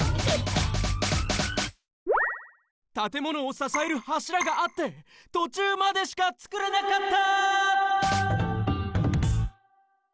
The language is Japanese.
たてものをささえるはしらがあって途中までしか作れなかった！